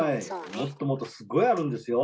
もっともっとすごいあるんですよ。